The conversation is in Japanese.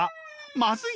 「まずい！